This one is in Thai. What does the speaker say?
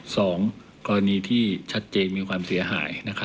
สองกรณีที่ชัดเจนมีความเสียหาย